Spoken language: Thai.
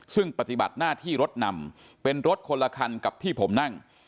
ซึ่งปฏิบัติหน้าที่รถนำเป็นรถคนละคันกับที่ผมนั่ง